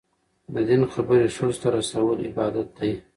د دین خبرې ښځو ته رسول عبادت دی.